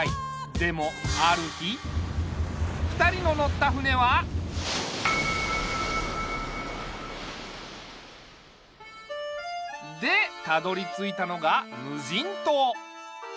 でもある日２人の乗った船は。でたどりついたのがむじんとう。